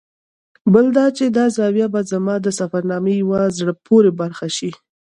بل دا چې دا زاویه به زما د سفرنامې یوه زړه پورې برخه شي.